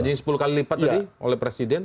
kalau janji sepuluh kali lipat tadi oleh presiden